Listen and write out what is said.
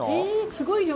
すごいよ。